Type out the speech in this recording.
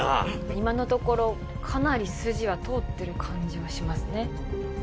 今のところかなり筋は通ってる感じはしますね。